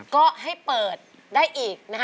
ก็ให้เปิดได้อีกนะคะ